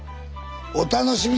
お楽しみに！